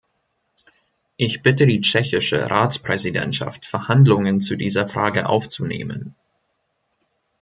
Ich bitte die tschechische Ratspräsidentschaft, Verhandlungen zu dieser Frage aufzunehmen.